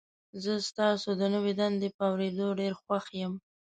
زه ستاسو د نوي دندې په اوریدو ډیر خوښ یم.